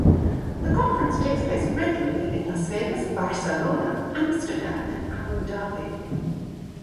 The conference takes place regularly in Las Vegas, Barcelona, Amsterdam, Abu Dhabi.